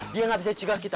dia gak bisa cegah kita